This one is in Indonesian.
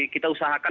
kita usahakan nanti